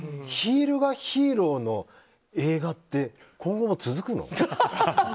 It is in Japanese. ヒールがヒーローの映画って今後も続くの？